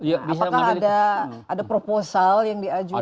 apakah ada proposal yang diajukan